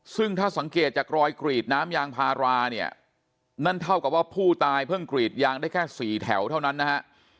ซึ่งถ้าสังเกตจากรอยกรีดน้ำยางพาราเนี่ยนั่นเท่ากับว่าผู้ตายเพิ่งกรีดยางได้แค่๔แถวเท่านั้นนะฮะ